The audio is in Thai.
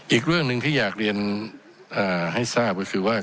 อีกเรื่องหนึ่งที่อยากเรียนให้ทราบก็คือว่า